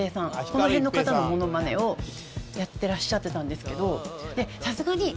この辺の方のモノマネをやってらっしゃってたんですけど。